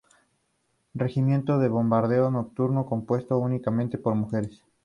Regimiento de Bombardeo Nocturno, compuesto únicamente por mujeres.